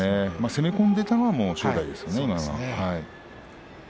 攻め込んでいたのは正代でしたね。